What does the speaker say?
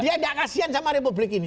masa dia tidak kasihan sama republik ini